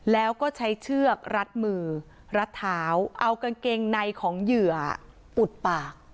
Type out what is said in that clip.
แล้วก็ใช้เชือกรัดมือรัดเท้าเอากางเกงในของเหยื่ออุดปาก